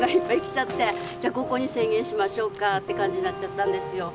じゃ５個に制限しましょうかって感じになっちゃったんですよ。